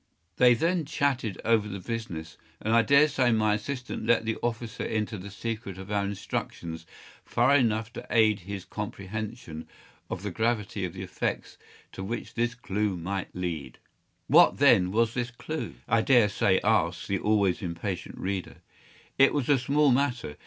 ” They then chatted over the business, and I dare say my assistant let the officer into the secret of our instructions far enough to aid his comprehension of the gravity of the effects to which this clue might lead. “What, then, was this clue?” I dare say asks the always impatient reader. It was a small matter.